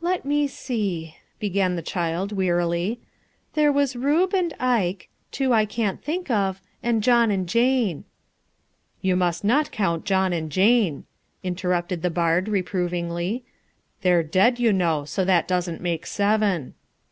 "Let me see," began the child wearily; "there was Rube and Ike, two I can't think of, and John and Jane." "You must not count John and Jane," interrupted the bard reprovingly; "they're dead, you know, so that doesn't make seven."